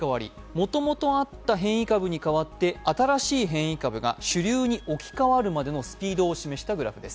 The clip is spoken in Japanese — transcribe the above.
もともとあった変異株にかわって新しい変異株が主流に置きかわるまでのスピードを示したグラフです。